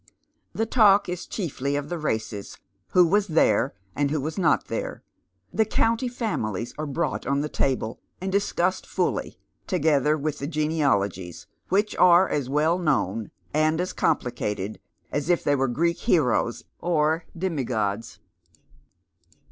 The talk is chiefly of the races, who was there and who was not there. The county families are brought on the table, and discussed fully, together with the genealogies, which are as well known and as complicated as if they were Greek heroes or demigods.